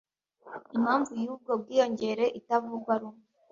impamvu y’ubwo bwiyongere itavugwaho rumwe.